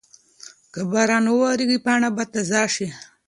که باران وورېږي پاڼه به تازه شي.